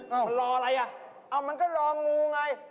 มันรออะไรก็รองูไง